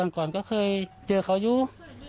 ก่อนก็เคยเจอเขาอยู่